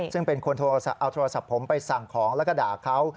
ซึ่งเป็นคนเอาโทรศัพท์ผมไปสั่งของแล้วก็ด่าเขา